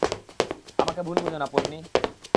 আমাকে ভুল বুঝো না, পোন্নি।